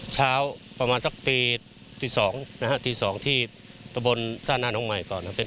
เช้าประมาณสักตี๒ที่ตะบนสร้างน่านออกใหม่ก่อนนะครับ